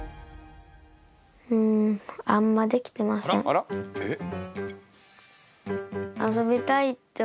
あら？えっ？